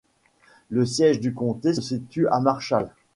Le siège du comté se situe à Marshall.